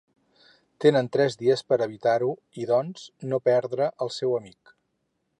Tenen tres dies per a evitar-ho i, doncs, no perdre el seu amic.